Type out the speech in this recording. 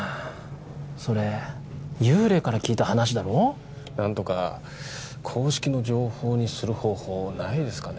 それ幽霊から聞いた話だろ何とか公式の情報にする方法ないですかね